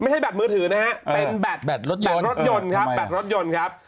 แบตมือถือนะฮะเป็นแบตแบตรถยนต์แบตรถยนต์ครับแบตรถยนต์ครับ